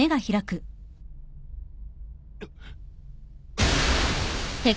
あっ！